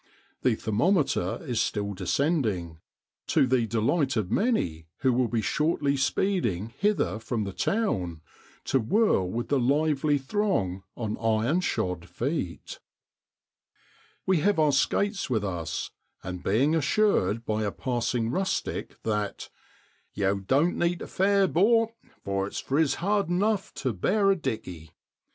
The thermometer is still descending, to the delight of many who will be shortly speeding hither from the town, to whirl with the lively throng on iron shod feet. J. \NUARY 7W BE OAT) LA ND. 1 1 We have our skates with us, and being assured by a passing rustic that ' Yow doan't need tu fare, 'bor, for it's friz hard enuf tu bear a dicky!'